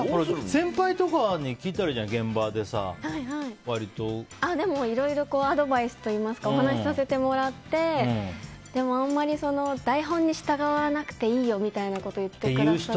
先輩とかに聞いたらいいじゃんいろいろアドバイスといいますかお話しさせてもらってあんまり台本に従わなくていいよみたいなことを言ってくださって。